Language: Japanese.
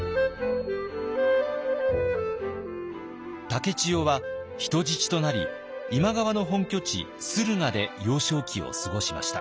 竹千代は人質となり今川の本拠地駿河で幼少期を過ごしました。